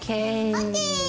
ＯＫ！